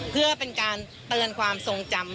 เพื่อเป็นการเตือนความทรงจำ